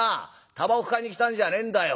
たばこ買いに来たんじゃねえんだよ」。